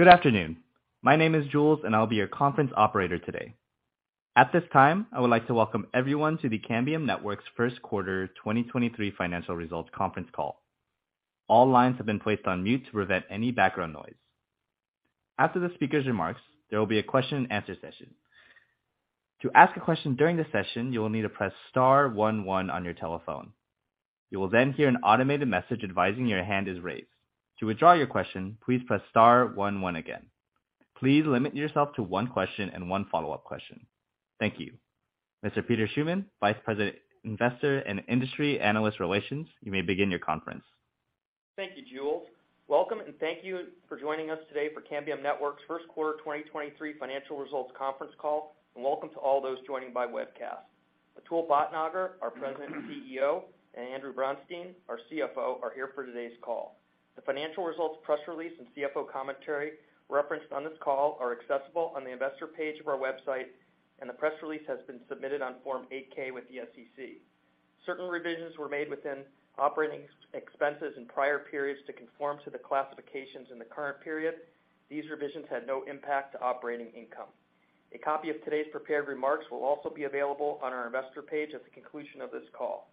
Good afternoon. My name is Jules, and I'll be your conference operator today. At this time, I would like to welcome everyone to the Cambium Networks' First Quarter 2023 Financial Results Conference Call. All lines have been placed on mute to prevent any background noise. After the speaker's remarks, there will be a question and answer session. To ask a question during the session, you will need to press star one one on your telephone. You will then hear an automated message advising your hand is raised. To withdraw your question, please press star one one again. Please limit yourself to one question and one follow-up question. Thank you. Mr. Peter Schuman, Vice President, Investor and Industry Analyst Relations, you may begin your conference. Thank you, Jules. Welcome and thank you for joining us today for Cambium Networks' First Quarter 2023 Financial Results Conference Call, and welcome to all those joining by webcast. Atul Bhatnagar, our President and CEO, and Andrew Bronstein, our CFO, are here for today's call. The financial results press release and CFO commentary referenced on this call are accessible on the investor page of our website, and the press release has been submitted on Form 8-K with the SEC. Certain revisions were made within operating expenses in prior periods to conform to the classifications in the current period. These revisions had no impact to operating income. A copy of today's prepared remarks will also be available on our investor page at the conclusion of this call.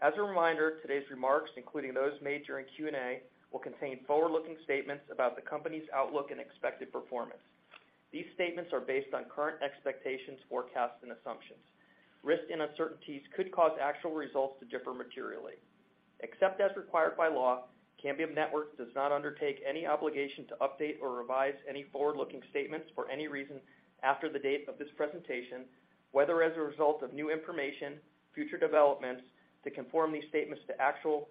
As a reminder, today's remarks, including those made during Q&A, will contain forward-looking statements about the company's outlook and expected performance. These statements are based on current expectations, forecasts, and assumptions. Risks and uncertainties could cause actual results to differ materially. Except as required by law, Cambium Networks does not undertake any obligation to update or revise any forward-looking statements for any reason after the date of this presentation, whether as a result of new information, future developments, to conform these statements to actual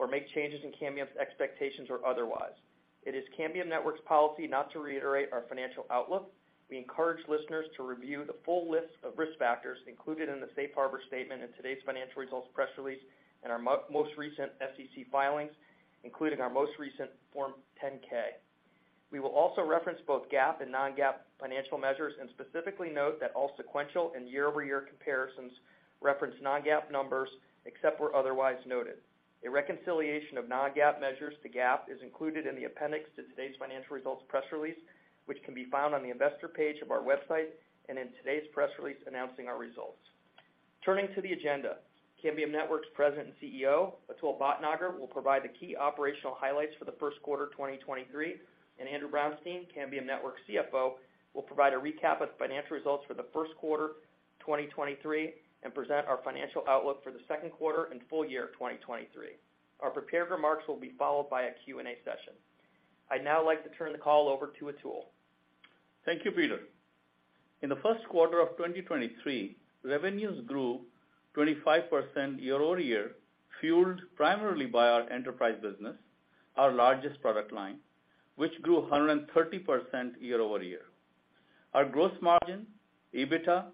results or make changes in Cambium's expectations or otherwise. It is Cambium Network's policy not to reiterate our financial outlook. We encourage listeners to review the full list of risk factors included in the safe harbor statement in today's financial results press release and our most recent SEC filings, including our most recent Form 10-K. We will also reference both GAAP and non-GAAP financial measures, and specifically note that all sequential and year-over-year comparisons reference non-GAAP numbers, except where otherwise noted. A reconciliation of non-GAAP measures to GAAP is included in the appendix to today's financial results press release, which can be found on the investor page of our website and in today's press release announcing our results. Turning to the agenda, Cambium Networks' President and CEO, Atul Bhatnagar, will provide the key operational highlights for the first quarter 2023, and Andrew Bronstein, Cambium Networks' CFO, will provide a recap of financial results for the first quarter 2023 and present our financial outlook for the second quarter and full year of 2023. Our prepared remarks will be followed by a Q&A session. I'd now like to turn the call over to Atul. Thank you, Peter. In the first quarter of 2023, revenues grew 25% year-over-year, fueled primarily by our enterprise business, our largest product line, which grew 130% year-over-year. Our gross margin, EBITDA,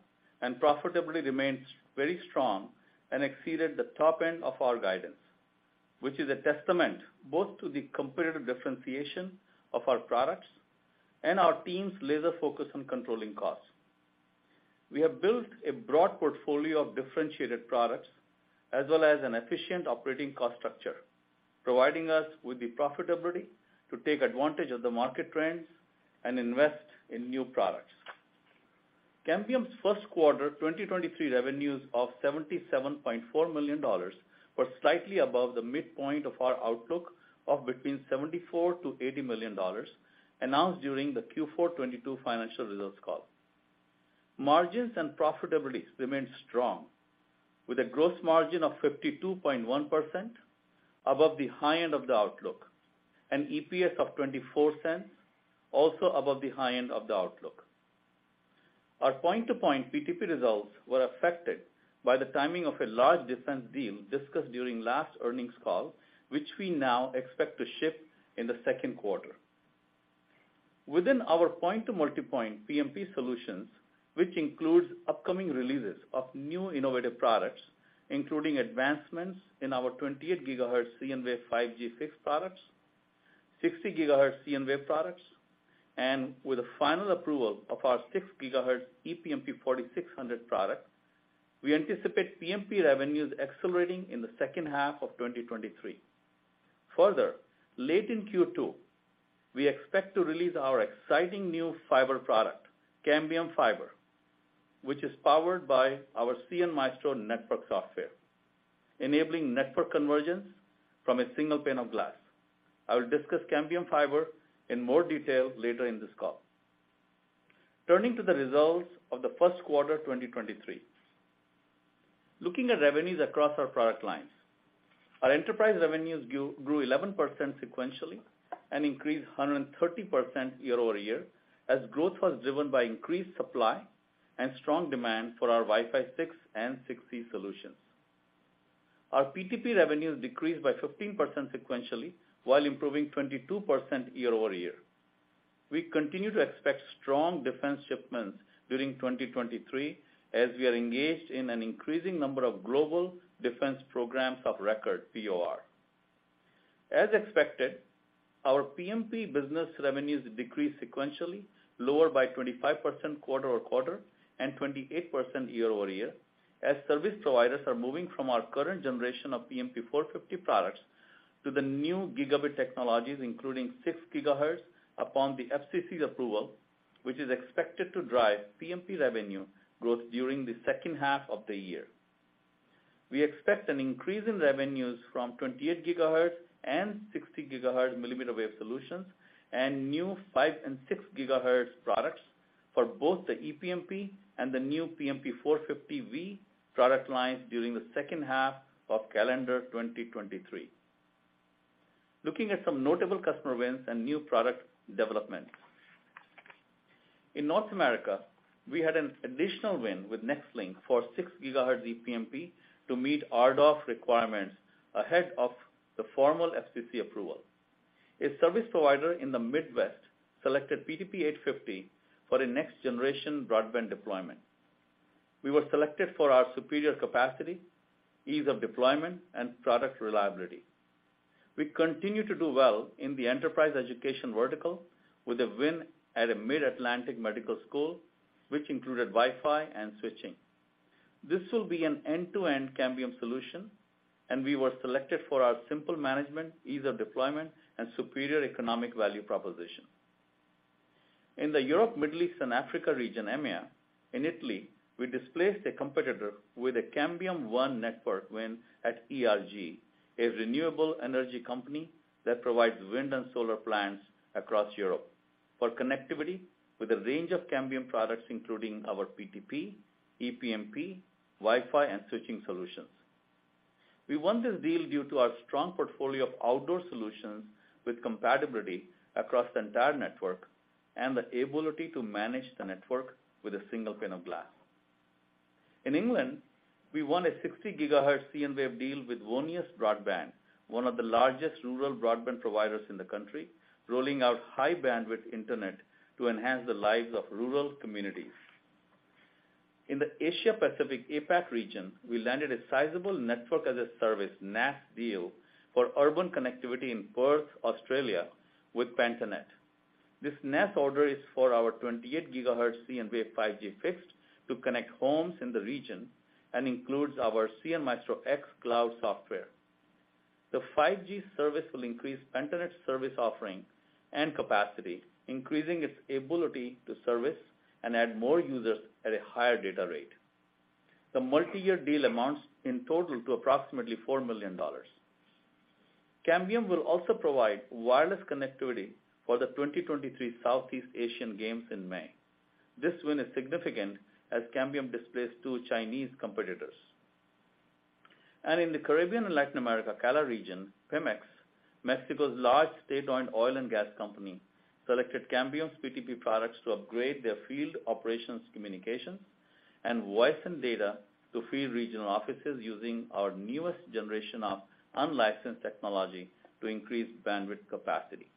and profitability remains very strong and exceeded the top end of our guidance, which is a testament both to the competitive differentiation of our products and our team's laser focus on controlling costs. We have built a broad portfolio of differentiated products as well as an efficient operating cost structure, providing us with the profitability to take advantage of the market trends and invest in new products. Cambium's first quarter 2023 revenues of $77.4 million were slightly above the midpoint of our outlook of between $74 million-$80 million announced during the Q4 2022 financial results call. Margins and profitability remained strong, with a gross margin of 52.1% above the high end of the outlook, and EPS of $0.24, also above the high end of the outlook. Our point-to-point PTP results were affected by the timing of a large defense deal discussed during last earnings call, which we now expect to ship in the second quarter. Within our point-to-multipoint PMP solutions, which includes upcoming releases of new innovative products, including advancements in our 28 GHz cnWave 5G Fixed products, 60 GHz cnWave products, and with the final approval of our 6 GHz ePMP 4600 product, we anticipate PMP revenues accelerating in the second half of 2023. Late in Q2, we expect to release our exciting new fiber product, Cambium Fiber, which is powered by our cnMaestro network software, enabling network convergence from a single pane of glass. I will discuss Cambium Fiber in more detail later in this call. Turning to the results of the first quarter 2023. Looking at revenues across our product lines, our enterprise revenues grew 11% sequentially and increased 130% year-over-year as growth was driven by increased supply and strong demand for our Wi-Fi 6 and 6E solutions. Our PTP revenues decreased by 15% sequentially, while improving 22% year-over-year. We continue to expect strong defense shipments during 2023, as we are engaged in an increasing number of global defense programs of record, POR. As expected, our PMP business revenues decreased sequentially, lower by 25% quarter-over-quarter and 28% year-over-year. As service providers are moving from our current generation of PMP 450 products to the new Gb technologies, including 6 GHz upon the FCC's approval, which is expected to drive PMP revenue growth during the second half of the year. We expect an increase in revenues from 28 GHz and 60 GHz mmWave solutions and new 5 and 6 GHz products for both the ePMP and the new PMP 450v product lines during the second half of calendar 2023. Looking at some notable customer wins and new product developments. In North America, we had an additional win with Nextlink for 6 GHz ePMP to meet RDOF requirements ahead of the formal FCC approval. A service provider in the Midwest selected PTP 850 for a next-generation broadband deployment. We were selected for our superior capacity, ease of deployment, and product reliability. We continue to do well in the enterprise education vertical with a win at a Mid-Atlantic medical school, which included Wi-Fi and switching. This will be an end-to-end Cambium solution. We were selected for our simple management, ease of deployment, and superior economic value proposition. In the Europe, Middle East, and Africa region, EMEA, in Italy, we displaced a competitor with a Cambium ONE Network win at ERG, a renewable energy company that provides wind and solar plants across Europe for connectivity with a range of Cambium products, including our PTP, ePMP, Wi-Fi, and switching solutions. We won this deal due to our strong portfolio of outdoor solutions with compatibility across the entire network and the ability to manage the network with a single pane of glass. In England, we won a 60 GHz cnWave deal with Voneus Broadband, one of the largest rural broadband providers in the country, rolling out high-bandwidth internet to enhance the lives of rural communities. In the Asia-Pacific, APAC region, we landed a sizable Network as a Service, NaaS deal for urban connectivity in Perth, Australia with Pentanet. This NaaS order is for our 28 GHz cnWave 5G Fixed to connect homes in the region and includes our cnMaestro X Cloud software. The 5G service will increase Pentanet's service offering and capacity, increasing its ability to service and add more users at a higher data rate. The multi-year deal amounts in total to approximately $4 million. Cambium will also provide wireless connectivity for the 2023 Southeast Asian Games in May. This win is significant as Cambium displaced 2 Chinese competitors. In the Caribbean and Latin America, CALA region, Pemex, Mexico's large state-owned oil and gas company, selected Cambium's PTP products to upgrade their field operations communications and voice and data to field regional offices using our newest generation of unlicensed technology to increase bandwidth capacity.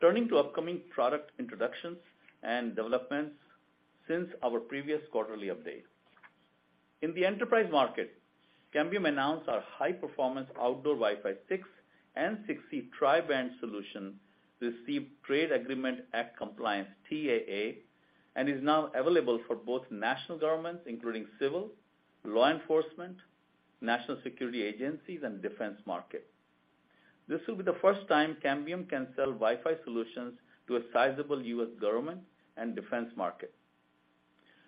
Turning to upcoming product introductions and developments since our previous quarterly update. In the enterprise market, Cambium announced our high-performance outdoor Wi-Fi 6 and 6E tri-band solution, received Trade Agreements Act compliance, TAA, and is now available for both national governments, including civil, law enforcement, national security agencies, and defense markets. This will be the first time Cambium can sell Wi-Fi solutions to a sizable U.S. government and defense market.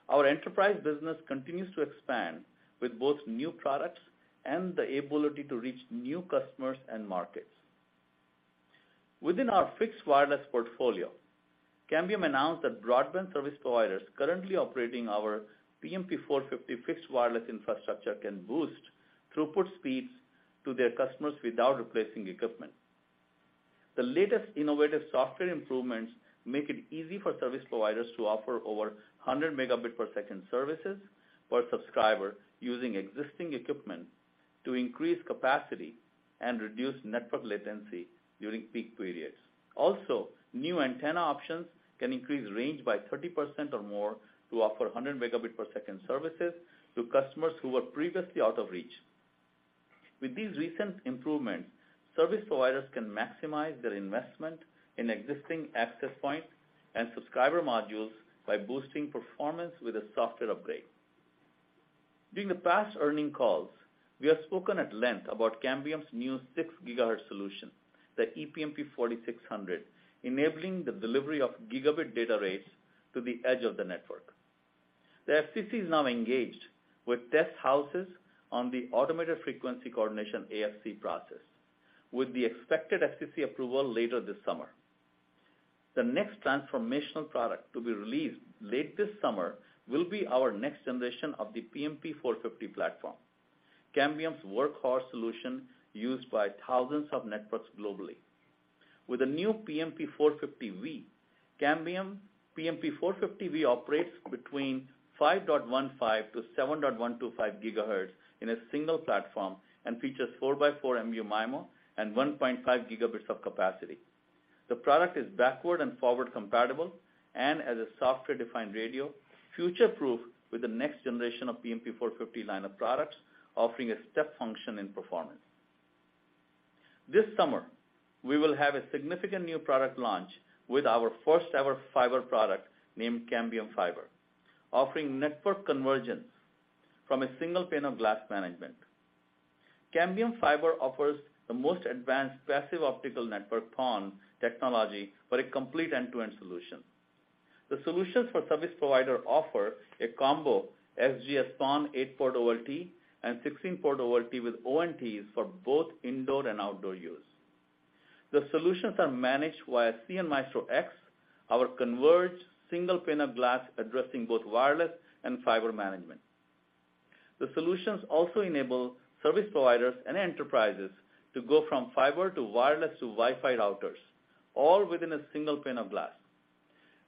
Our enterprise business continues to expand with both new products and the ability to reach new customers and markets. Within our fixed wireless portfolio, Cambium announced that broadband service providers currently operating our PMP 450 fixed wireless infrastructure can boost throughput speeds to their customers without replacing equipment. The latest innovative software improvements make it easy for service providers to offer over 100 Mbps services per subscriber, using existing equipment to increase capacity and reduce network latency during peak periods. Also, new antenna options can increase range by 30% or more to offer 100 Mbps services to customers who were previously out of reach. With these recent improvements, service providers can maximize their investment in existing access points and subscriber modules by boosting performance with a software upgrade. During the past earnings calls, we have spoken at length about Cambium's new 6 GHz solution, the ePMP 4600, enabling the delivery of Gb data rates to the edge of the network. The FCC is now engaged with test houses on the Automated Frequency Coordination, AFC process, with the expected FCC approval later this summer. The next transformational product to be released late this summer will be our next generation of the PMP 450 platform, Cambium's workhorse solution used by thousands of networks globally. With the new PMP 450v, Cambium PMP 450v operates between 5.15 to 7.125 GHz in a single platform and features 4x4 MU-MIMO and 1.5 Gbs of capacity. The product is backward and forward compatible and, as a software-defined radio, future-proof with the next generation of PMP 450 line of products, offering a step function in performance. This summer, we will have a significant new product launch with our first-ever fiber product named Cambium Fiber, offering network convergence from a single pane of glass management. Cambium Fiber offers the most advanced passive optical network, PON, technology for a complete end-to-end solution. The solutions for service provider offer a combo XGS-PON 8-port OLT and 16-port OLT with ONTs for both indoor and outdoor use. The solutions are managed via cnMaestro X, our converged single pane of glass addressing both wireless and fiber management. The solutions also enable service providers and enterprises to go from fiber to wireless to Wi-Fi routers, all within a single pane of glass.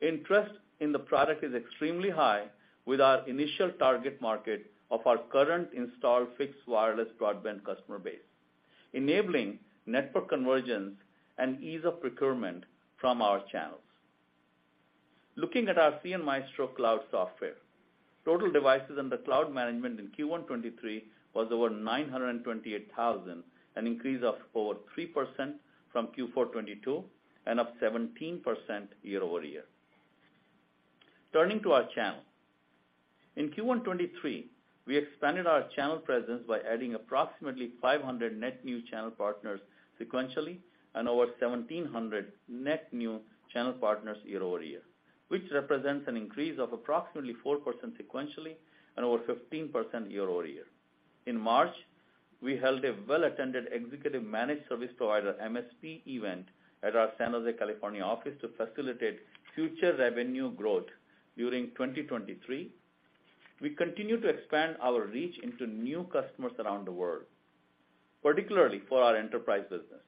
Interest in the product is extremely high with our initial target market of our current installed fixed wireless broadband customer base, enabling network convergence and ease of procurement from our channels. Looking at our cnMaestro cloud software, total devices under cloud management in Q1 2023 was over 928,000, an increase of over 3% from Q4 2022, and up 17% year-over-year. Turning to our channel. In Q1 2023, we expanded our channel presence by adding approximately 500 net new channel partners sequentially, and over 1,700 net new channel partners year-over-year, which represents an increase of approximately 4% sequentially and over 15% year-over-year. In March, we held a well-attended executive managed service provider, MSP event at our San Jose, California office to facilitate future revenue growth during 2023. We continue to expand our reach into new customers around the world, particularly for our enterprise business.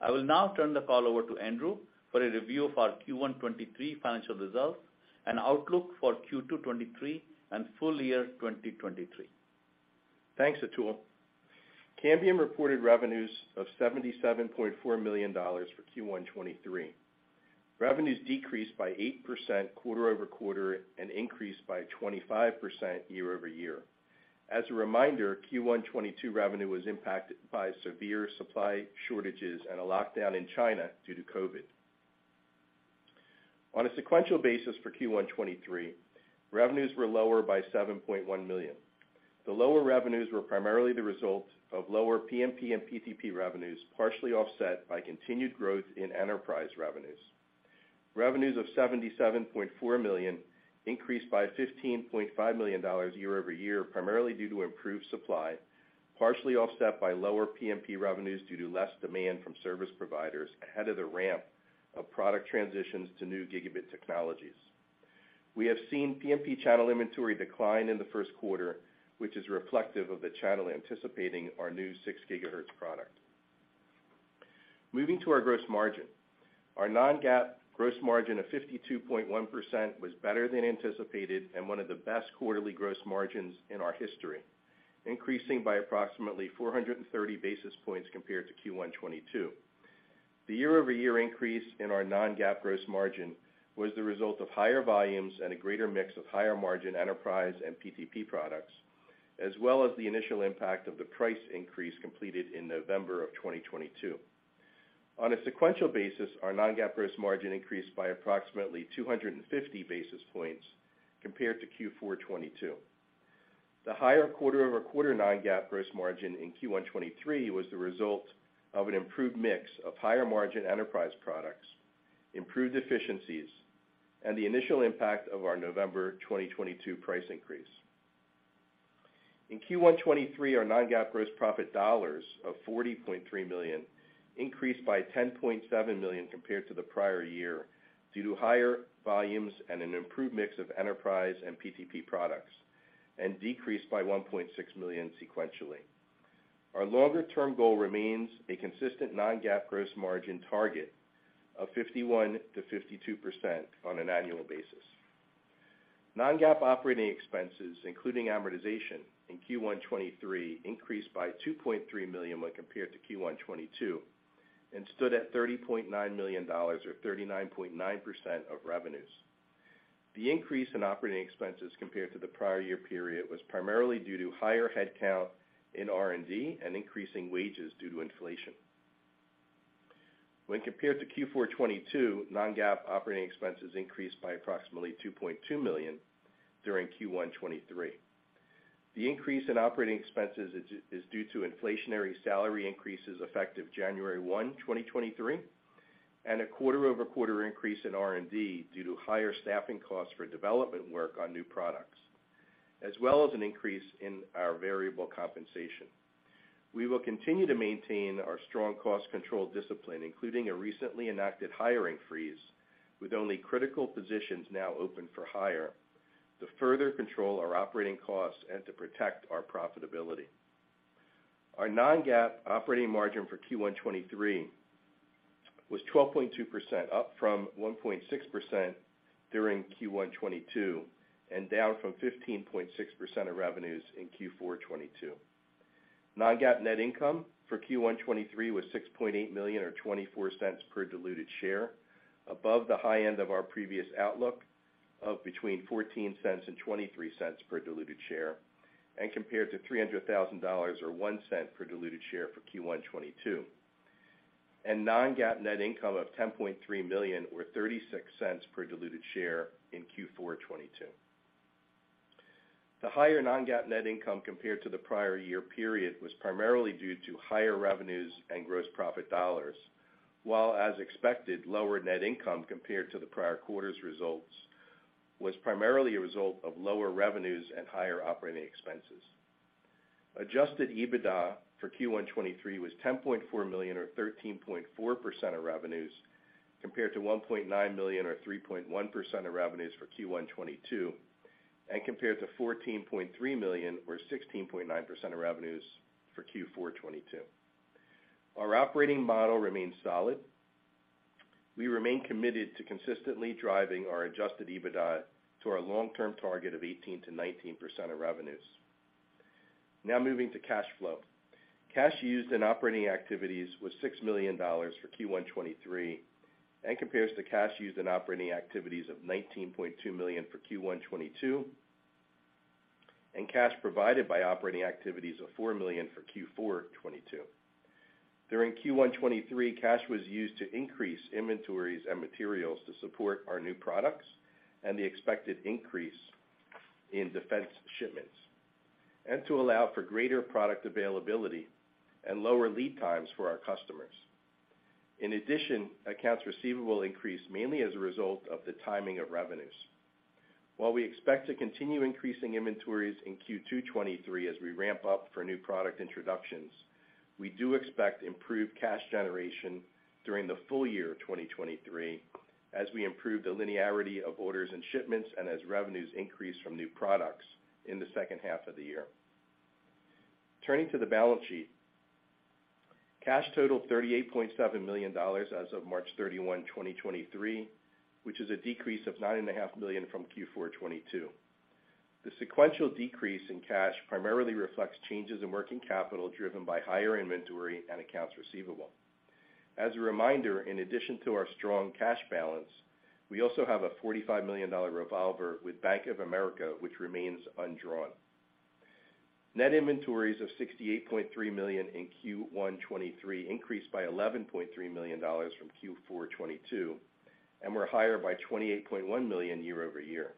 I will now turn the call over to Andrew for a review of our Q1 2023 financial results and outlook for Q2 2023 and full year 2023. Thanks, Atul. Cambium reported revenues of $77.4 million for Q1 2023. Revenues decreased by 8% quarter-over-quarter and increased by 25% year-over-year. As a reminder, Q1 2022 revenue was impacted by severe supply shortages and a lockdown in China due to COVID. On a sequential basis for Q1 2023, revenues were lower by $7.1 million. The lower revenues were primarily the result of lower PMP and PTP revenues, partially offset by continued growth in enterprise revenues. Revenues of $77.4 million increased by $15.5 million year-over-year, primarily due to improved supply, partially offset by lower PMP revenues due to less demand from service providers ahead of the ramp of product transitions to new Gb technologies. We have seen PMP channel inventory decline in the first quarter, which is reflective of the channel anticipating our new 6 GHz product. Moving to our gross margin. Our non-GAAP gross margin of 52.1% was better than anticipated and one of the best quarterly gross margins in our history, increasing by approximately 430 basis points compared to Q1 2022. The year-over-year increase in our non-GAAP gross margin was the result of higher volumes and a greater mix of higher margin enterprise and PTP products, as well as the initial impact of the price increase completed in November 2022. On a sequential basis, our non-GAAP gross margin increased by approximately 250 basis points compared to Q4 2022. The higher quarter-over-quarter non-GAAP gross margin in Q1 2023 was the result of an improved mix of higher margin enterprise products, improved efficiencies, and the initial impact of our November 2022 price increase. In Q1 2023, our non-GAAP gross profit dollars of $40.3 million increased by $10.7 million compared to the prior year due to higher volumes and an improved mix of enterprise and PTP products, and decreased by $1.6 million sequentially. Our longer-term goal remains a consistent non-GAAP gross margin target of 51%-52% on an annual basis. Non-GAAP operating expenses, including amortization in Q1 2023, increased by $2.3 million when compared to Q1 2022 and stood at $30.9 million or 39.9% of revenues. The increase in operating expenses compared to the prior year period was primarily due to higher headcount in R&D and increasing wages due to inflation. Compared to Q4 2022, non-GAAP operating expenses increased by approximately $2.2 million during Q1 2023. The increase in operating expenses is due to inflationary salary increases effective January 1, 2023, and a quarter-over-quarter increase in R&D due to higher staffing costs for development work on new products, as well as an increase in our variable compensation. We will continue to maintain our strong cost control discipline, including a recently enacted hiring freeze, with only critical positions now open for hire, to further control our operating costs and to protect our profitability. Our non-GAAP operating margin for Q1 2023 was 12.2%, up from 1.6% during Q1 2022 and down from 15.6% of revenues in Q4 2022. Non-GAAP net income for Q1 2023 was $6.8 million or $0.24 per diluted share, above the high end of our previous outlook of between $0.14 and $0.23 per diluted share and compared to $300,000 or $0.01 per diluted share for Q1 2022. Non-GAAP net income of $10.3 million or $0.36 per diluted share in Q4 2022. The higher non-GAAP net income compared to the prior year period was primarily due to higher revenues and gross profit dollars, while as expected, lower net income compared to the prior quarter's results was primarily a result of lower revenues and higher operating expenses. Adjusted EBITDA for Q1 2023 was $10.4 million or 13.4% of revenues, compared to $1.9 million or 3.1% of revenues for Q1 2022. Compared to $14.3 million or 16.9% of revenues for Q4 2022. Our operating model remains solid. We remain committed to consistently driving our Adjusted EBITDA to our long-term target of 18%-19% of revenues. Moving to cash flow. Cash used in operating activities was $6 million for Q1 2023 and compares to cash used in operating activities of $19.2 million for Q1 2022 and cash provided by operating activities of $4 million for Q4 2022. During Q1 2023, cash was used to increase inventories and materials to support our new products and the expected increase in defense shipments, and to allow for greater product availability and lower lead times for our customers. Accounts receivable increased mainly as a result of the timing of revenues. While we expect to continue increasing inventories in Q2 2023 as we ramp up for new product introductions, we do expect improved cash generation during the full year 2023 as we improve the linearity of orders and shipments and as revenues increase from new products in the second half of the year. Turning to the balance sheet. Cash totaled $38.7 million as of March 31, 2023, which is a decrease of $9.5 million from Q4 2022. The sequential decrease in cash primarily reflects changes in working capital driven by higher inventory and accounts receivable. As a reminder, in addition to our strong cash balance, we also have a $45 million revolver with Bank of America, which remains undrawn. Net inventories of $68.3 million in Q1 2023 increased by $11.3 million from Q4 2022 and were higher by $28.1 million year-over-year.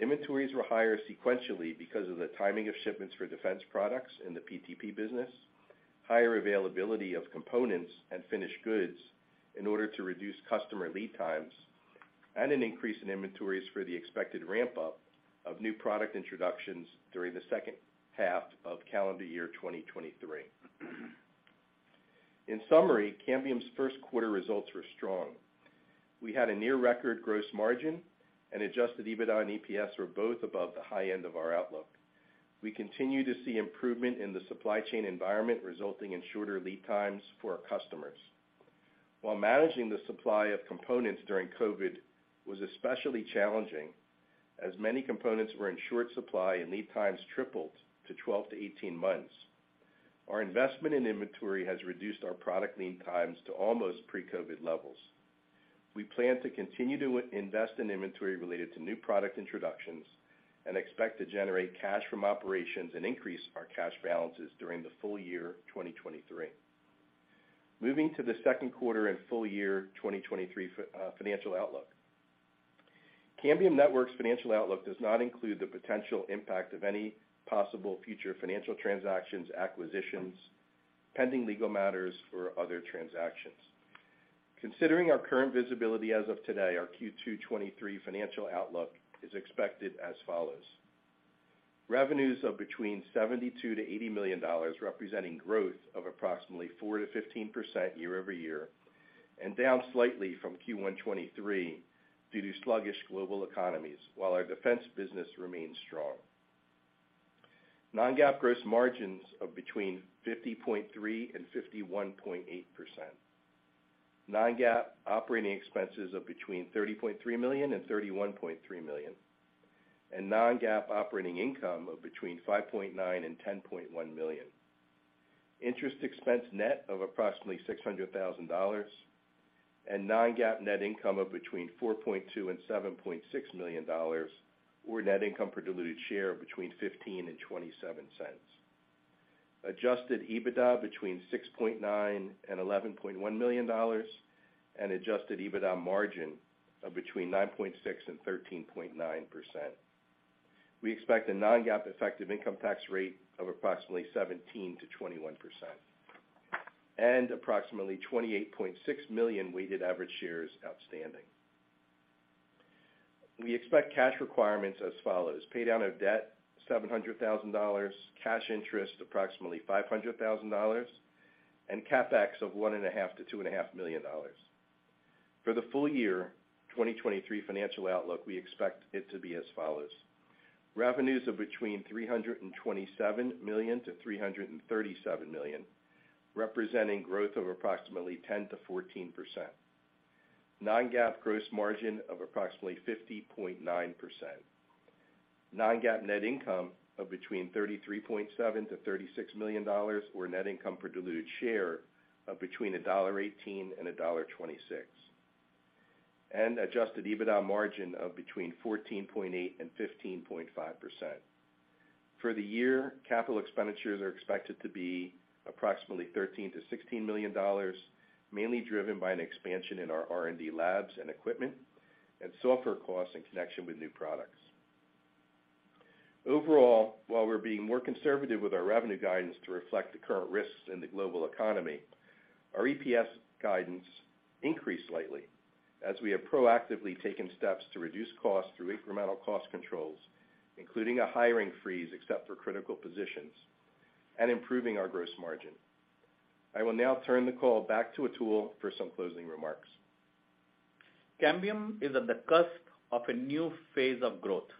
Inventories were higher sequentially because of the timing of shipments for defense products in the PTP business, higher availability of components and finished goods in order to reduce customer lead times, and an increase in inventories for the expected ramp up of new product introductions during the second half of calendar year 2023. In summary, Cambium's first quarter results were strong. We had a near record gross margin and adjusted EBITDA and EPS were both above the high end of our outlook. We continue to see improvement in the supply chain environment, resulting in shorter lead times for our customers. While managing the supply of components during COVID was especially challenging, as many components were in short supply and lead times tripled to 12-18 months. Our investment in inventory has reduced our product lead times to almost pre-COVID levels. We plan to continue to invest in inventory related to new product introductions and expect to generate cash from operations and increase our cash balances during the full year 2023. Moving to the second quarter and full year 2023 financial outlook. Cambium Networks' financial outlook does not include the potential impact of any possible future financial transactions, acquisitions, pending legal matters or other transactions. Considering our current visibility as of today, our Q2 2023 financial outlook is expected as follows. Revenues of between $72 million-$80 million, representing growth of approximately 4%-15% year-over-year, and down slightly from Q1 2023 due to sluggish global economies, while our defense business remains strong. Non-GAAP gross margins of between 50.3% and 51.8%. Non-GAAP operating expenses of between $30.3 million and $31.3 million. Non-GAAP operating income of between $5.9 million and $10.1 million. Interest expense net of approximately $600,000 and Non-GAAP net income of between $4.2 million and $7.6 million, or net income per diluted share of between $0.15 and $0.27. Adjusted EBITDA between $6.9 million and $11.1 million, and adjusted EBITDA margin of between 9.6% and 13.9%. We expect a non-GAAP effective income tax rate of approximately 17%-21% and approximately 28.6 million weighted average shares outstanding. We expect cash requirements as follows: pay down of debt, $700,000, cash interest, approximately $500,000, and CapEx of one and a half to two and a half million dollars. For the full year 2023 financial outlook, we expect it to be as follows: revenues of between $327 million-$337 million, representing growth of approximately 10%-14%. non-GAAP gross margin of approximately 50.9%. non-GAAP net income of between $33.7 million and $36 million, or net income per diluted share of between $1.18 and $1.26. Adjusted EBITDA margin of between 14.8% and 15.5%. For the year, capital expenditures are expected to be approximately $13 million-$16 million, mainly driven by an expansion in our R&D labs and equipment and software costs in connection with new products. Overall, while we're being more conservative with our revenue guidance to reflect the current risks in the global economy, our EPS guidance increased slightly as we have proactively taken steps to reduce costs through incremental cost controls, including a hiring freeze, except for critical positions and improving our gross margin. I will now turn the call back to Atul for some closing remarks. Cambium is at the cusp of a new phase of growth.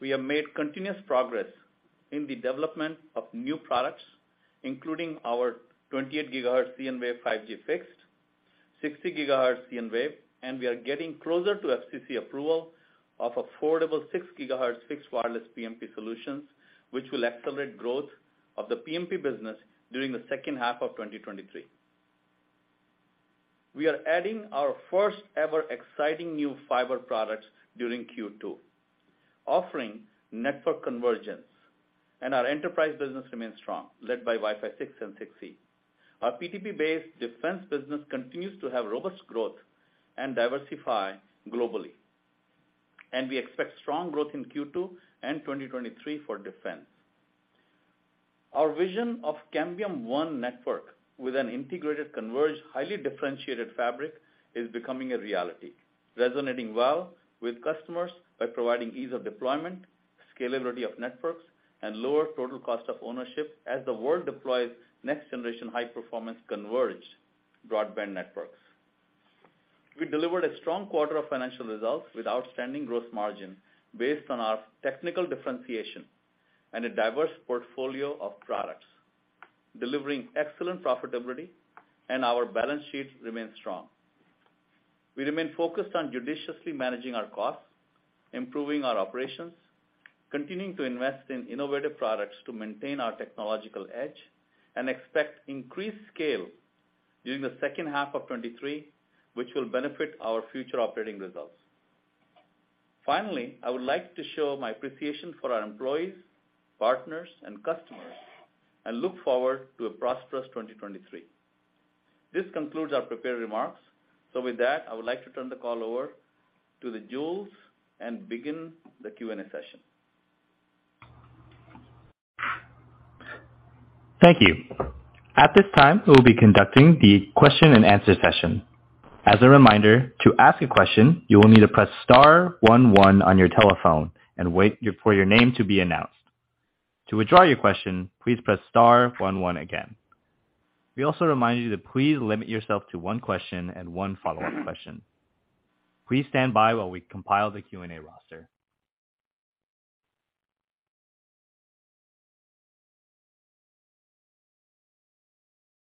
We have made continuous progress in the development of new products, including our 28 GHz cnWave 5G Fixed, 60 GHz cnWave. We are getting closer to FCC approval of affordable 6 GHz fixed wireless PMP solutions, which will accelerate growth of the PMP business during the second half of 2023. We are adding our first ever exciting new fiber products during Q2, offering network convergence. Our enterprise business remains strong, led by Wi-Fi 6 and 6E. Our PTP-based defense business continues to have robust growth and diversify globally. We expect strong growth in Q2 and 2023 for defense. Our vision of Cambium ONE Network with an integrated, converged, highly differentiated fabric is becoming a reality, resonating well with customers by providing ease of deployment, scalability of networks, and lower total cost of ownership as the world deploys next-generation high-performance converged broadband networks. We delivered a strong quarter of financial results with outstanding growth margin based on our technical differentiation and a diverse portfolio of products, delivering excellent profitability, and our balance sheets remain strong. We remain focused on judiciously managing our costs, improving our operations, continuing to invest in innovative products to maintain our technological edge, and expect increased scale during the second half of 2023, which will benefit our future operating results. Finally, I would like to show my appreciation for our employees, partners, and customers and look forward to a prosperous 2023. This concludes our prepared remarks. With that, I would like to turn the call over to Jules and begin the Q&A session. Thank you. At this time, we'll be conducting the question-and-answer session. As a reminder, to ask a question, you will need to press star one one on your telephone and wait for your name to be announced. To withdraw your question, please press star one one again. We also remind you to please limit yourself to one question and one follow-up question. Please stand by while we compile the Q&A roster.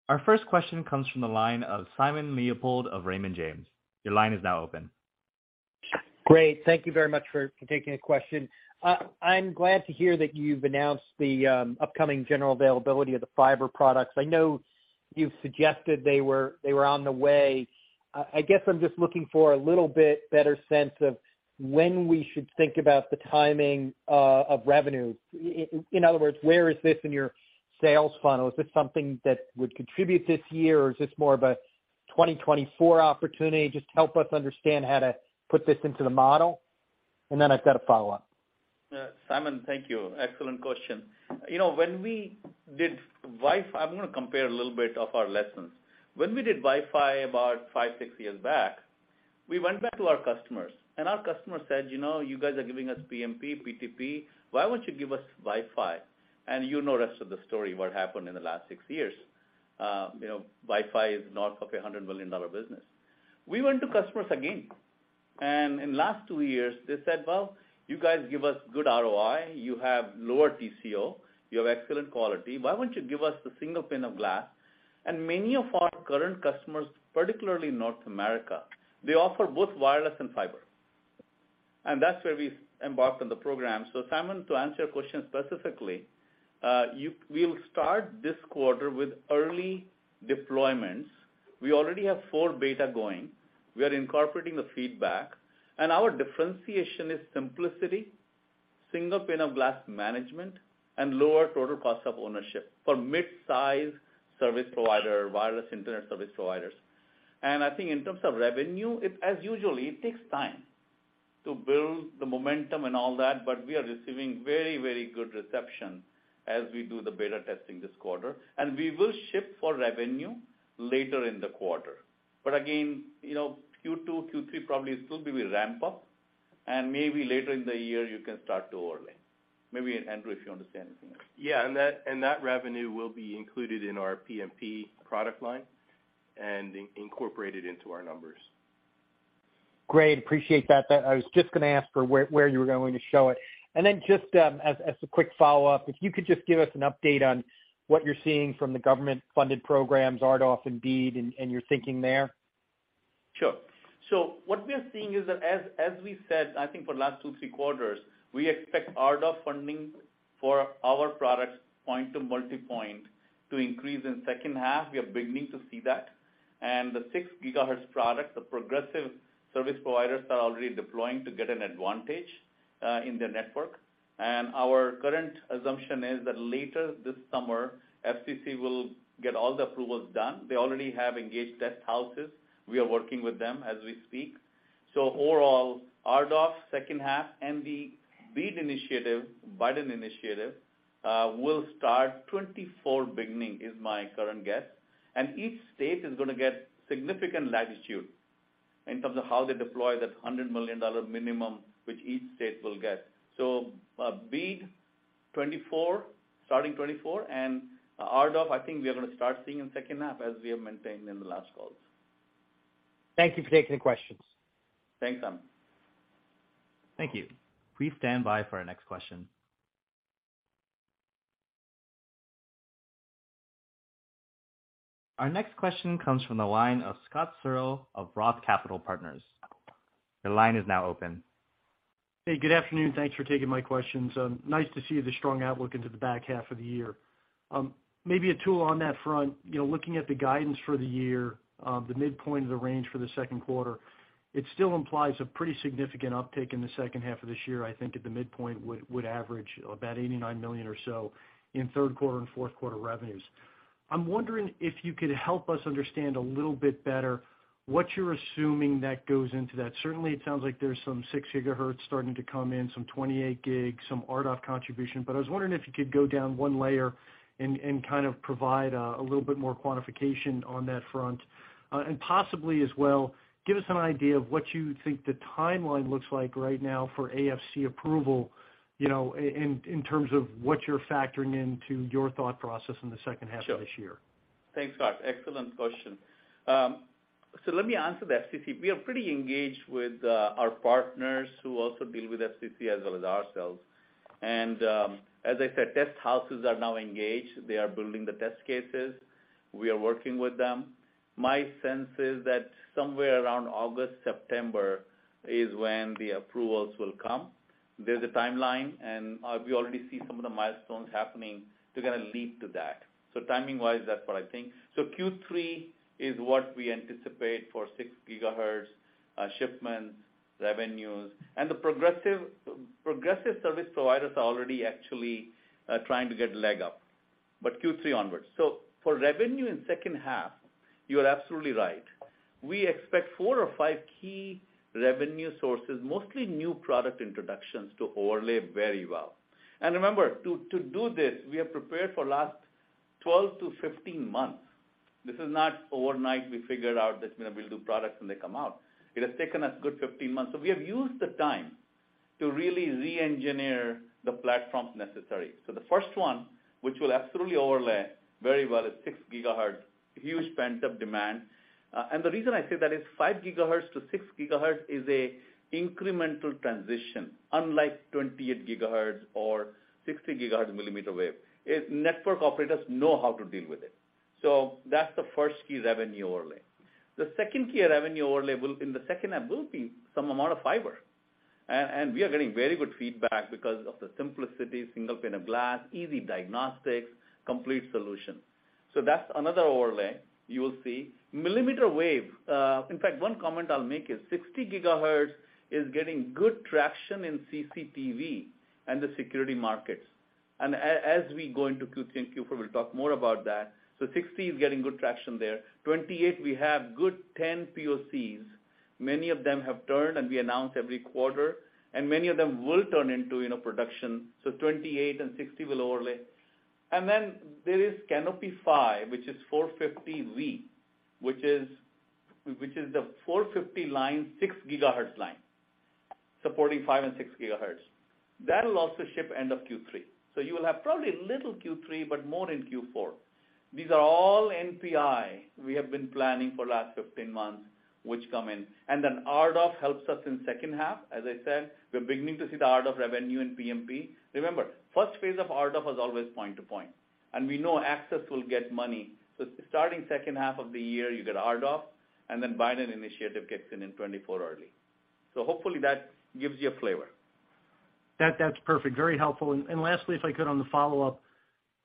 Our first question comes from the line of Simon Leopold of Raymond James. Your line is now open. Great. Thank you very much for taking the question. I'm glad to hear that you've announced the upcoming general availability of the fiber products. I know you've suggested they were on the way. I guess I'm just looking for a little bit better sense of when we should think about the timing of revenue. In other words, where is this in your sales funnel? Is this something that would contribute this year, or is this more of a 2024 opportunity? Just help us understand how to put this into the model, and then I've got a follow-up. Simon, thank you. Excellent question. You know, when we did Wi-Fi, I'm gonna compare a little bit of our lessons. When we did Wi-Fi about five, six years back, we went back to our customers, our customers said, "You know, you guys are giving us PMP, PTP, why won't you give us Wi-Fi?" You know the rest of the story, what happened in the last six years. You know, Wi-Fi is now a couple hundred million dollar business. We went to customers again, in last two years, they said, "Well, you guys give us good ROI, you have lower TCO, you have excellent quality. Why won't you give us the single pane of glass?" Many of our current customers, particularly in North America, they offer both wireless and fiber. That's where we've embarked on the program. Simon, to answer your question specifically, we'll start this quarter with early deployments. We already have four beta going. We are incorporating the feedback, and our differentiation is simplicity, single pane of glass management, and lower total cost of ownership for midsize service provider, wireless Internet Service Providers. I think in terms of revenue, it, as usually, it takes time to build the momentum and all that, but we are receiving very, very good reception as we do the beta testing this quarter. We will ship for revenue later in the quarter. Again, you know, Q2, Q3 probably still be we ramp up, and maybe later in the year, you can start to overlay. Maybe, Andrew, if you understand anything else. Yeah. That revenue will be included in our PMP product line and incorporated into our numbers. Great. Appreciate that. I was just gonna ask for where you were going to show it. Just, as a quick follow-up, if you could just give us an update on what you're seeing from the government-funded programs, RDOF and BEAD, and your thinking there. Sure. What we are seeing is that as we said, I think for last two, three quarters, we expect RDOF funding for our products, point to multipoint to increase in second half. We are beginning to see that. The 6 GHz products, the progressive service providers are already deploying to get an advantage in their network. Our current assumption is that later this summer, FCC will get all the approvals done. They already have engaged test houses. We are working with them as we speak. Overall, RDOF second half and the BEAD initiative, Biden initiative, will start 2024 beginning, is my current guess. Each state is gonna get significant latitude in terms of how they deploy that $100 million minimum, which each state will get. BEAD, 2024, starting 2024, and RDOF, I think we are gonna start seeing in second half as we have maintained in the last calls. Thank you for taking the questions. Thanks, Amit. Thank you. Please stand by for our next question. Our next question comes from the line of Scott Searle of Roth Capital Partners. Your line is now open. Hey, good afternoon. Thanks for taking my questions. Nice to see the strong outlook into the back half of the year. Maybe Atul on that front, you know, looking at the guidance for the year, the midpoint of the range for the second quarter, it still implies a pretty significant uptick in the second half of this year, I think at the midpoint would average about $89 million or so in third quarter and fourth quarter revenues. I'm wondering if you could help us understand a little bit better what you're assuming that goes into that. Certainly, it sounds like there's some 6 GHz starting to come in, some 28 GHz, some RDOF contribution, but I was wondering if you could go down one layer and kind of provide a little bit more quantification on that front. Possibly as well, give us an idea of what you think the timeline looks like right now for AFC approval, you know, in terms of what you're factoring into your thought process in the second half of this year. Sure. Thanks, Scott. Excellent question. Let me answer the FCC. We are pretty engaged with our partners who also deal with FCC as well as ourselves. As I said, test houses are now engaged. They are building the test cases. We are working with them. My sense is that somewhere around August, September is when the approvals will come. There's a timeline, we already see some of the milestones happening to get a lead to that. Timing-wise, that's what I think. Q3 is what we anticipate for 6 GHz shipments, revenues, and the progressive service providers are already actually trying to get leg up, Q3 onwards. For revenue in second half, you're absolutely right. We expect four or five key revenue sources, mostly new product introductions to overlay very well. Remember, to do this, we have prepared for last 12 to 15 months. This is not overnight we figured out that, you know, we'll do products when they come out. It has taken us good 15 months. We have used the time to really re-engineer the platforms necessary. The first one, which will absolutely overlay very well at 6 GHz, huge pent-up demand. The reason I say that is 5 GHz to 6 GHz is an incremental transition, unlike 28 GHz or 60 GHz millimeter wave, is network operators know how to deal with it. That's the first key revenue overlay. The second key revenue overlay will, in the second half, will be some amount of fiber. We are getting very good feedback because of the simplicity, single pane of glass, easy diagnostics, complete solution. That's another overlay you will see. Millimeter wave, in fact, one comment I'll make is 60 GHz is getting good traction in CCTV and the security markets. As we go into Q3 and Q4, we'll talk more about that. 60 is getting good traction there. 28, we have good 10 POCs. Many of them have turned, we announce every quarter, many of them will turn into, you know, production, 28 and 60 will overlay. There is Canopy 5, which is 450V, which is the 450 line, 6 GHz line, supporting 5 and 6 GHz. That'll also ship end of Q3. You will have probably little Q3, but more in Q4. These are all NPI we have been planning for last 15 months, which come in. RDOF helps us in second half. As I said, we're beginning to see the RDOF revenue in PMP. Remember, first phase of RDOF was always point to point, and we know access will get money. Starting second half of the year, you get RDOF, and then Biden initiative kicks in in 2024 early. Hopefully that gives you a flavor. That's perfect. Very helpful. Lastly, if I could on the follow-up,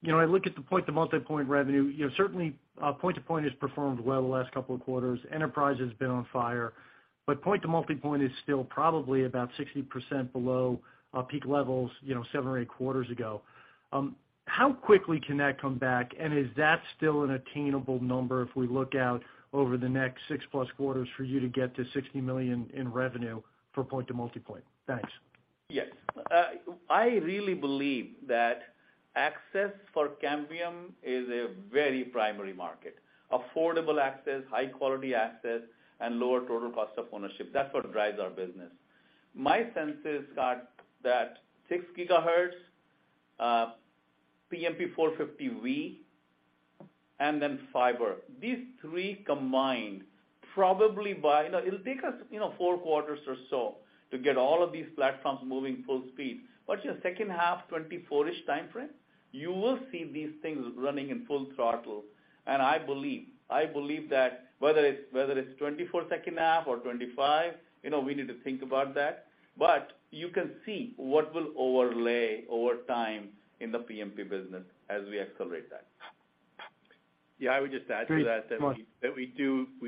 you know, I look at the point to multipoint revenue, you know, certainly, point to point has performed well the last couple of quarters. Enterprise has been on fire, but point to multipoint is still probably about 60% below, peak levels, you know, seven or eight quarters ago. How quickly can that come back? Is that still an attainable number if we look out over the next 6+ quarters for you to get to $60 million in revenue for point to multipoint? Thanks. Yes. I really believe that access for Cambium is a very primary market. Affordable access, high quality access, and lower total cost of ownership. That's what drives our business. My sense is, Scott, that 6 GHz, PMP 450V, and then fiber, these three combined, probably by. You know, it'll take us, you know, 4 quarters or so to get all of these platforms moving full speed. Your 2024-ish timeframe, you will see these things running in full throttle. I believe that whether it's 2024 second half or 2025, you know, we need to think about that. You can see what will overlay over time in the PMP business as we accelerate that. Yeah, I would just add to that. Great. Go on.... that we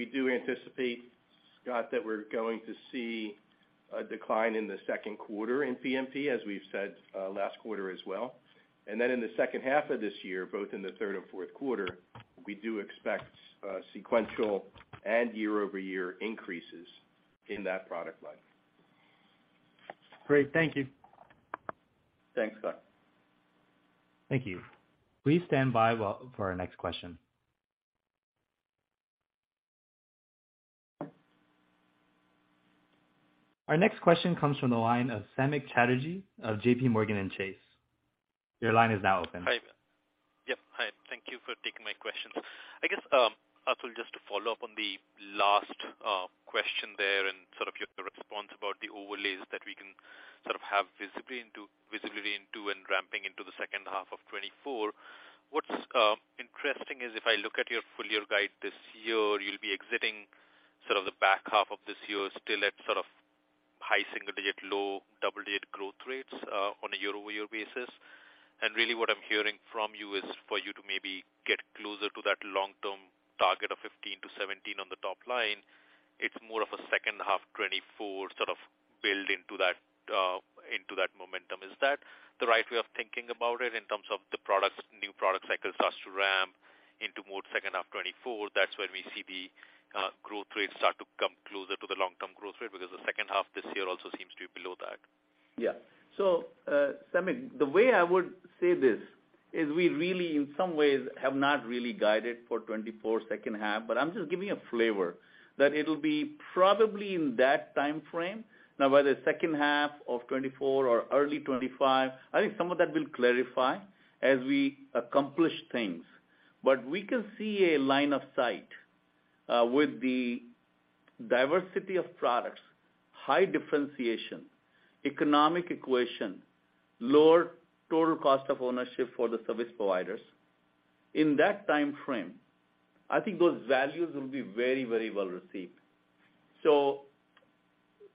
do anticipate, Scott, that we're going to see a decline in the second quarter in PMP, as we've said, last quarter as well. Then in the second half of this year, both in the third or fourth quarter, we do expect, sequential and year-over-year increases in that product line. Great. Thank you. Thanks, Scott. Thank you. Please stand by for our next question. Our next question comes from the line of Samik Chatterjee of JPMorgan Chase. Your line is now open. Hi. Yep. Hi, thank you for taking my questions. I guess, Atul, just to follow up on the last question there and sort of your response about the overlays that we can sort of have visibility into and ramping into the second half of 2024. What's interesting is if I look at your full year guide this year, you'll be exiting sort of the back half of this year still at sort of high single-digit, low double-digit growth rates, on a year-over-year basis. Really what I'm hearing from you is for you to maybe get closer to that long-term target of 15-17 on the top line, it's more of a second half 2024 sort of build into that, into that momentum. Is that the right way of thinking about it in terms of the products, new product cycles starts to ramp into more second half 2024, that's when we see the growth rates start to come closer to the long-term growth rate because the second half this year also seems to be below that. Samik, the way I would say this is we really, in some ways, have not really guided for 2024 second half, I'm just giving a flavor that it'll be probably in that timeframe. Now, by the second half of 2024 or early 2025, I think some of that will clarify as we accomplish things. We can see a line of sight with the diversity of products, high differentiation, economic equation, lower total cost of ownership for the service providers. In that timeframe, I think those values will be very, very well received.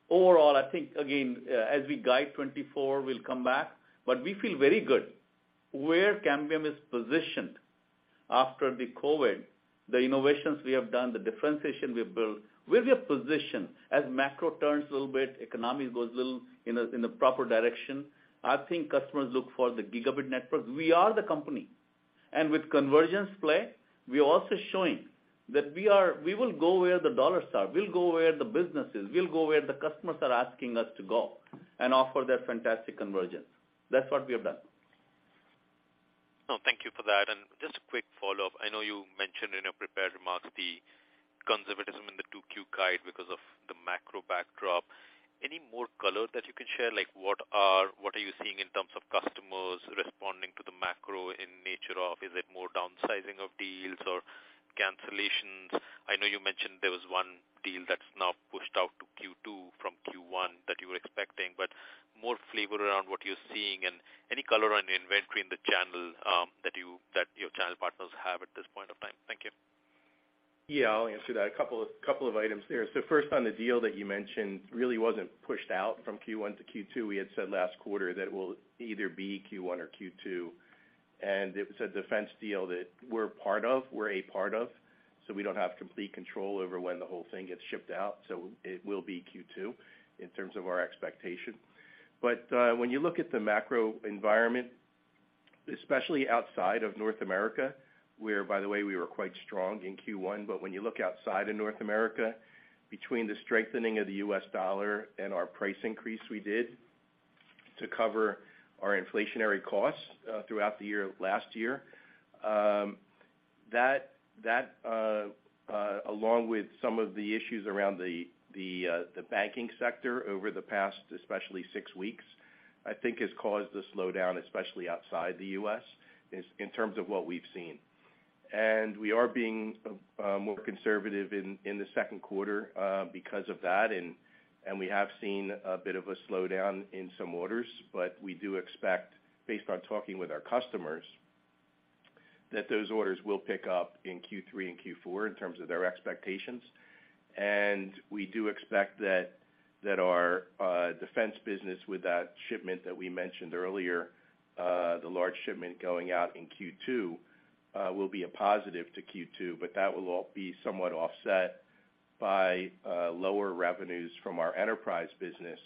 Overall, I think, again, as we guide 2024, we'll come back, but we feel very good where Cambium is positioned after the COVID, the innovations we have done, the differentiation we built, where we are positioned as macro turns a little bit, economy goes a little in a proper direction. I think customers look for the Gb networks. We are the company. With convergence play, we are also showing that we will go where the dollars are. We'll go where the business is. We'll go where the customers are asking us to go and offer that fantastic convergence. That's what we have done. No, thank you for that. Just a quick follow-up. I know you mentioned in your prepared remarks the conservatism in the 2Q guide because of the macro backdrop. Any more color that you can share? Like, what are you seeing in terms of customers responding to the macro in nature of, is it more downsizing of deals or cancellations? I know you mentioned there was one deal that's now pushed out to Q2 from Q1 that you were expecting, but more flavor around what you're seeing and any color on the inventory in the channel that your channel partners have at this point of time. Thank you. Yeah, I'll answer that. A couple of items there. First on the deal that you mentioned, really wasn't pushed out from Q1 to Q2. We had said last quarter that it will either be Q1 or Q2. It was a defense deal that we're a part of, so we don't have complete control over when the whole thing gets shipped out. It will be Q2 in terms of our expectation. When you look at the macro environment, especially outside of North America, where by the way, we were quite strong in Q1. When you look outside of North America, between the strengthening of the US dollar and our price increase we did to cover our inflationary costs, throughout the year, last year, along with some of the issues around the banking sector over the past, especially six weeks, I think has caused a slowdown, especially outside the U.S., in terms of what we've seen. We are being more conservative in the second quarter because of that. We have seen a bit of a slowdown in some orders, but we do expect, based on talking with our customers, that those orders will pick up in Q3 and Q4 in terms of their expectations. We do expect that our defense business with that shipment that we mentioned earlier, the large shipment going out in Q2, will be a positive to Q2, but that will all be somewhat offset by lower revenues from our enterprise business,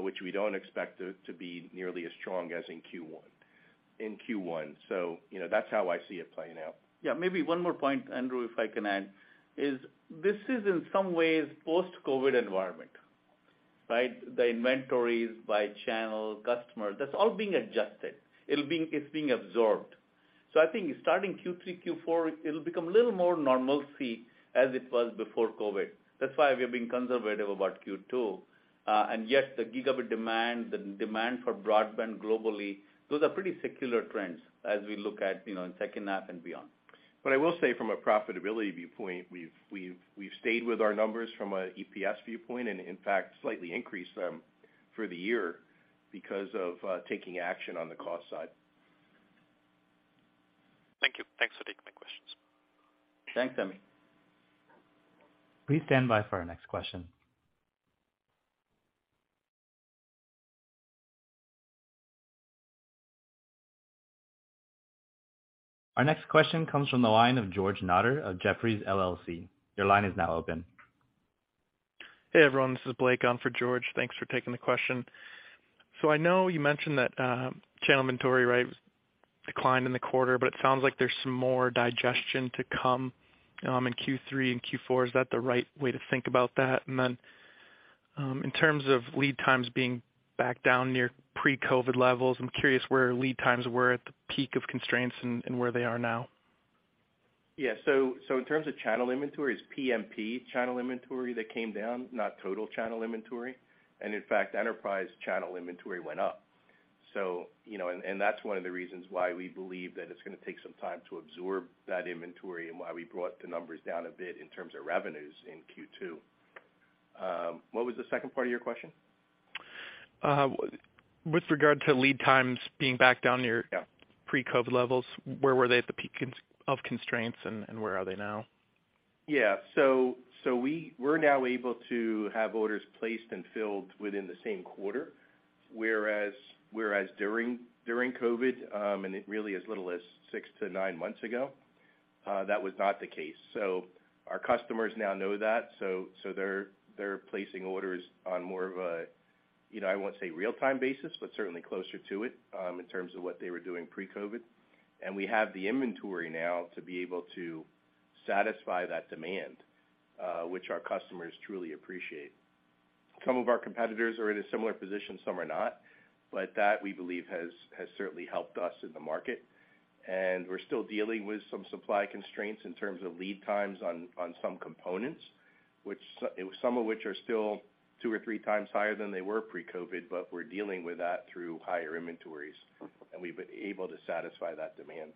which we don't expect to be nearly as strong as in Q1. You know, that's how I see it playing out. Yeah, maybe one more point, Andrew, if I can add, is this is in some ways post-COVID environment, right? The inventories by channel, customer, that's all being adjusted. It's being absorbed. I think starting Q3, Q4, it'll become a little more normalcy as it was before COVID. That's why we're being conservative about Q2. Yet the Gb demand, the demand for broadband globally, those are pretty secular trends as we look at, you know, in second half and beyond. I will say from a profitability viewpoint, we've stayed with our numbers from a EPS viewpoint, and in fact, slightly increased them for the year, because of taking action on the cost side. Thank you. Thanks for taking my questions. Thanks, Samik. Please stand by for our next question. Our next question comes from the line of George Notter of Jefferies LLC. Your line is now open. Hey, everyone. This is Blake on for George. Thanks for taking the question. I know you mentioned that channel inventory, right, declined in the quarter, but it sounds like there's some more digestion to come in Q3 and Q4. Is that the right way to think about that? In terms of lead times being back down near pre-COVID levels, I'm curious where lead times were at the peak of constraints and where they are now. In terms of channel inventory, it's PMP channel inventory that came down, not total channel inventory. In fact, enterprise channel inventory went up. You know, and that's one of the reasons why we believe that it's gonna take some time to absorb that inventory and why we brought the numbers down a bit in terms of revenues in Q2. What was the second part of your question? With regard to lead times being back down near. Yeah... pre-COVID levels, where were they at the peak of constraints and where are they now? Yeah. We're now able to have orders placed and filled within the same quarter, whereas during COVID, and it really as little as six to nine months ago, that was not the case. Our customers now know that, so they're placing orders on more of a, you know, I won't say real-time basis, but certainly closer to it, in terms of what they were doing pre-COVID. We have the inventory now to be able to satisfy that demand, which our customers truly appreciate. Some of our competitors are in a similar position, some are not, but that, we believe, has certainly helped us in the market. We're still dealing with some supply constraints in terms of lead times on some components, which some of which are still two or three times higher than they were pre-COVID, but we're dealing with that through higher inventories, and we've been able to satisfy that demand.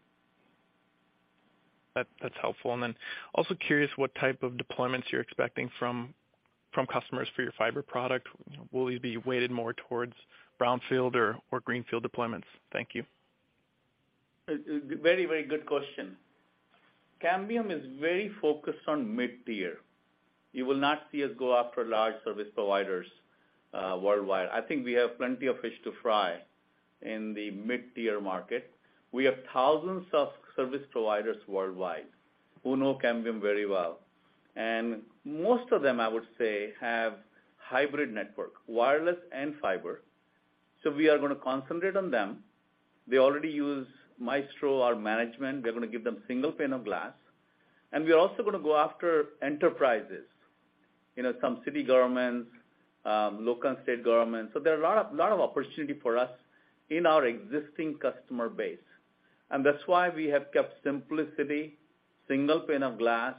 That's helpful. Also curious what type of deployments you're expecting from customers for your fiber product. Will you be weighted more towards brownfield or greenfield deployments? Thank you. Very good question. Cambium is very focused on mid-tier. You will not see us go after large service providers worldwide. I think we have plenty of fish to fry in the mid-tier market. We have thousands of service providers worldwide who know Cambium very well, and most of them, I would say, have hybrid network, wireless and fiber. We are gonna concentrate on them. They already use cnMaestro, our management. We're gonna give them single pane of glass, and we are also gonna go after enterprises, you know, some city governments, local and state governments. There are a lot of opportunity for us in our existing customer base. And that's why we have kept simplicity, single pane of glass,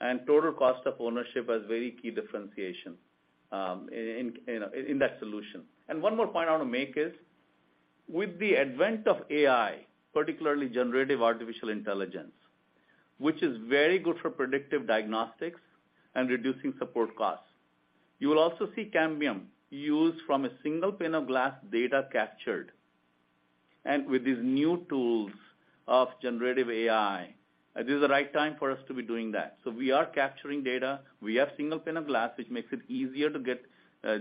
and total cost of ownership as very key differentiation in that solution. One more point I want to make is, with the advent of AI, particularly generative artificial intelligence, which is very good for predictive diagnostics and reducing support costs, you will also see Cambium use from a single pane of glass data captured. With these new tools of generative AI, this is the right time for us to be doing that. We are capturing data. We have single pane of glass, which makes it easier to get,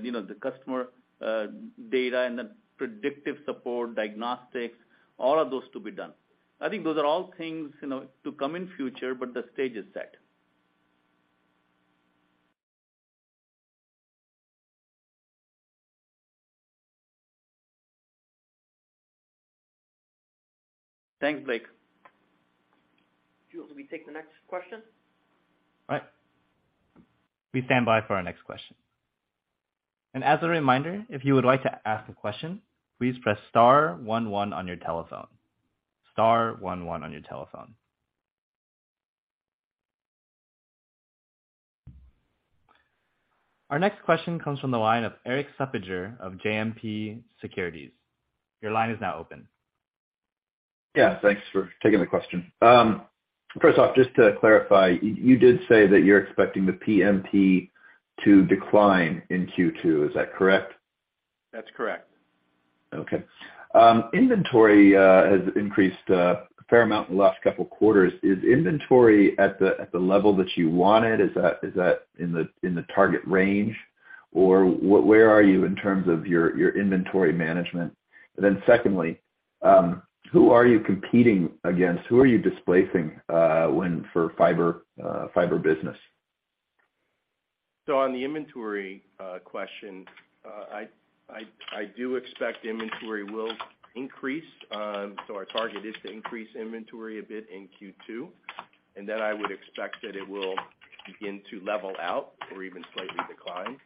you know, the customer data and the predictive support, diagnostics, all of those to be done. I think those are all things, you know, to come in future, but the stage is set. Thanks, Blake. Jules, can we take the next question? All right. Please stand by for our next question. As a reminder, if you would like to ask a question, please press star one one on your telephone. Star one one on your telephone. Our next question comes from the line of Erik Suppiger of JMP Securities. Your line is now open. Yeah, thanks for taking the question. First off, just to clarify, you did say that you're expecting the PMP to decline in Q2. Is that correct? That's correct. Okay. Inventory has increased a fair amount in the last couple quarters. Is inventory at the level that you wanted? Is that in the target range? Or where are you in terms of your inventory management? Secondly, who are you competing against? Who are you displacing, when, for fiber business? On the inventory question, I do expect inventory will increase. Our target is to increase inventory a bit in Q2, and then I would expect that it will begin to level out or even slightly decline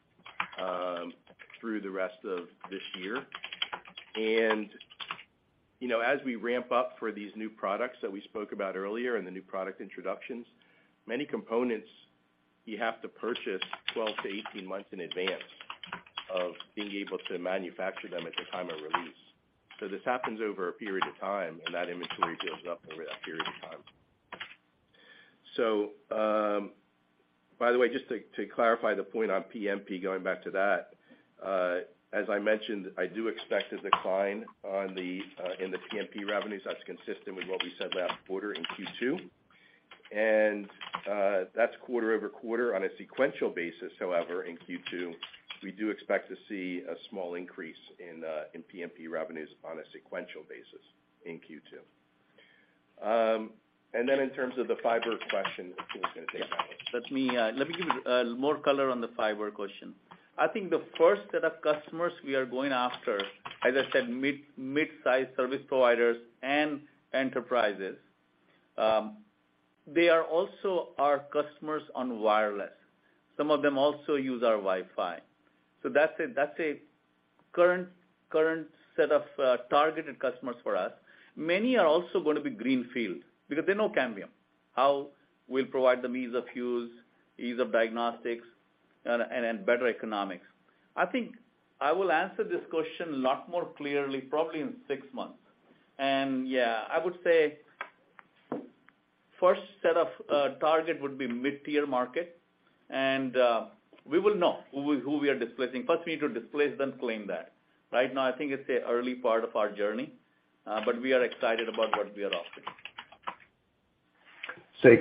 through the rest of this year. You know, as we ramp up for these new products that we spoke about earlier and the new product introductions, many components you have to purchase 12 to 18 months in advance of being able to manufacture them at the time of release. This happens over a period of time, and that inventory builds up over that period of time. So, by the way, just to clarify the point on PMP, going back to that, as I mentioned, I do expect a decline on the, in the PMP revenues that's consistent with what we said last quarter in Q2. That's quarter-over-quarter on a sequential basis. However, in Q2, we do expect to see a small increase in PMP revenues on a sequential basis in Q2. Then in terms of the fiber question, I think it was going to take that. Let me, let me give more color on the fiber question. I think the first set of customers we are going after, as I said, midsize service providers and enterprises. They are also our customers on wireless. Some of them also use our Wi-Fi. So that's a current set of targeted customers for us. Many are also gonna be greenfield because they know Cambium, how we'll provide them ease of use, ease of diagnostics, and better economics. I think I will answer this question a lot more clearly probably in six months. Yeah, I would say first set of target would be mid-tier market and we will know who we are displacing. First, we need to displace then claim that. Right now, I think it's the early part of our journey, but we are excited about what we are offering.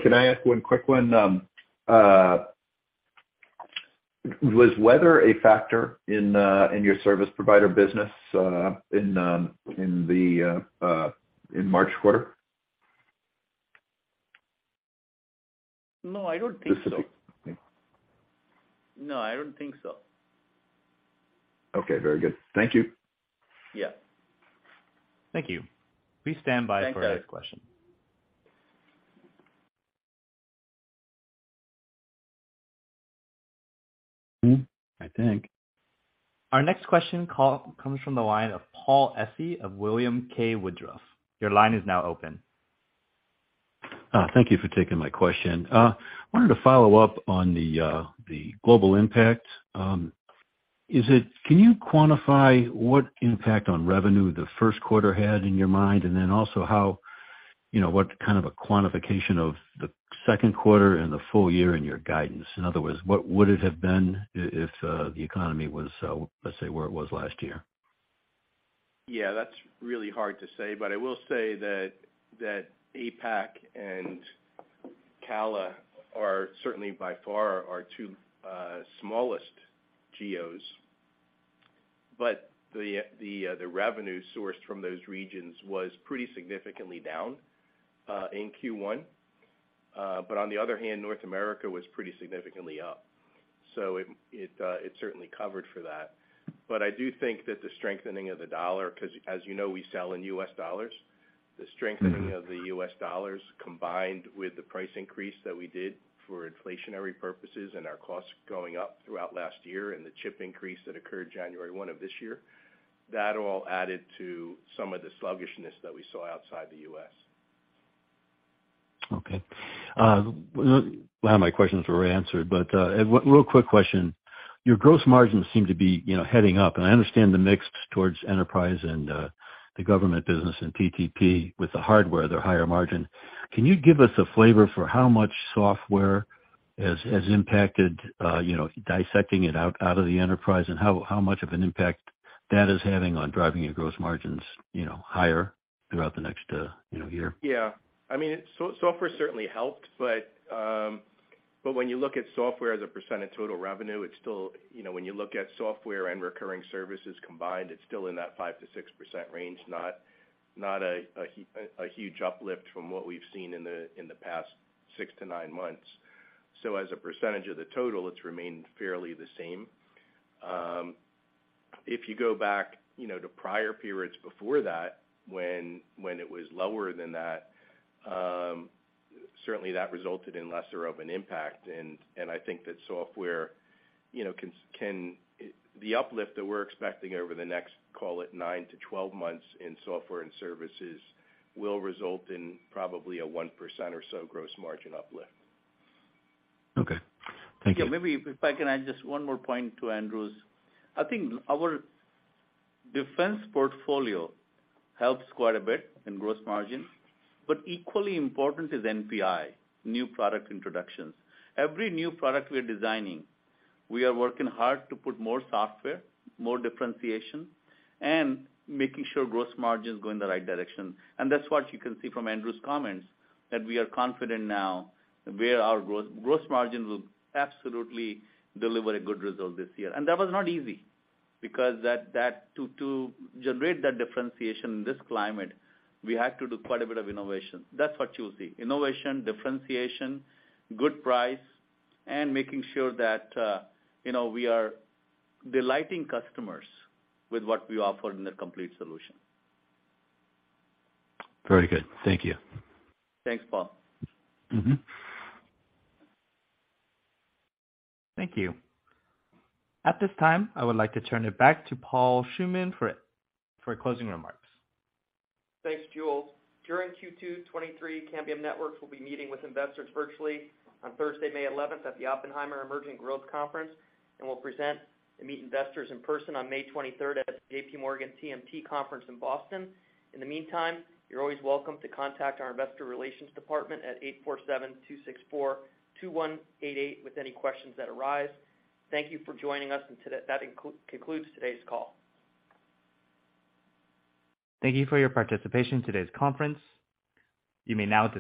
Can I ask one quick one? Was weather a factor in your service provider business in the March quarter? No, I don't think so. Okay. Very good. Thank you. Yeah. Thank you. Please stand by for the next question. Mm-hmm. I think. Our next question comes from the line of Paul Essi of William K. Woodruff. Your line is now open. Thank you for taking my question. Wanted to follow up on the global impact. Can you quantify what impact on revenue the first quarter had in your mind? How, you know, what kind of a quantification of the second quarter and the full year in your guidance? In other words, what would it have been if the economy was, let's say, where it was last year? Yeah, that's really hard to say, but I will say that APAC and CALA are certainly by far our two smallest geos. The revenue sourced from those regions was pretty significantly down in Q1. On the other hand, North America was pretty significantly up. It certainly covered for that. I do think that the strengthening of the dollar, 'cause as you know, we sell in US dollars. Mm-hmm. The strengthening of the US dollars combined with the price increase that we did for inflationary purposes and our costs going up throughout last year and the chip increase that occurred January 1 of this year, that all added to some of the sluggishness that we saw outside the U.S. Okay. Well, my questions were answered, but one real quick question. Your gross margins seem to be, you know, heading up and I understand the mix towards enterprise and the government business and PTP with the hardware, their higher margin. Can you give us a flavor for how much software has impacted, you know, dissecting it out of the enterprise, and how much of an impact that is having on driving your gross margins, you know, higher throughout the next, you know, year? I mean, software certainly helped. When you look at software as a percent of total revenue, it's still, you know, when you look at software and recurring services combined, it's still in that 5%-6% range, not a huge uplift from what we've seen in the, in the past 6-9 months. As a percentage of the total, it's remained fairly the same. If you go back, you know, to prior periods before that when it was lower than that, certainly that resulted in lesser of an impact. I think that software, you know, can. The uplift that we're expecting over the next, call it 9-12 months in software and services, will result in probably a 1% or so gross margin uplift. Okay. Thank you. Yeah. Maybe if I can add just one more point to Andrew's. I think our defense portfolio helps quite a bit in gross margin, but equally important is NPI, new product introductions. Every new product we are designing, we are working hard to put more software, more differentiation, and making sure gross margins go in the right direction. That's what you can see from Andrew's comments, that we are confident now where our gross margins will absolutely deliver a good result this year. That was not easy because that to generate that differentiation in this climate, we had to do quite a bit of innovation. That's what you'll see. Innovation, differentiation, good price, and making sure that, you know, we are delighting customers with what we offer in a complete solution. Very good. Thank you. Thanks, Paul. Mm-hmm. Thank you. At this time, I would like to turn it back to Peter Schuman for closing remarks. Thanks, Jules. During Q2 2023, Cambium Networks will be meeting with investors virtually on Thursday, May 11th at the Oppenheimer Emerging Growth Conference, and we'll present and meet investors in person on May 23rd at J.P. Morgan TMT Conference in Boston. In the meantime, you're always welcome to contact our investor relations department at 8472642188 with any questions that arise. Thank you for joining us. That concludes today's call. Thank you for your participation in today's conference. You may now disconnect.